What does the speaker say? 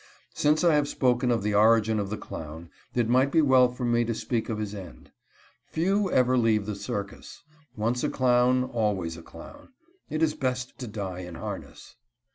Since I have spoken of the origin of the clown it might be well for me to speak of his end. Few ever leave the circus. Once a clown, always a clown. It is best to die in harness.